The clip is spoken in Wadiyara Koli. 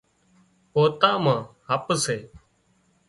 پوتان مان هپ سي